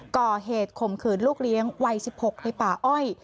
ข่มขืนลูกเลี้ยงวัย๑๖ในป่าอ้อย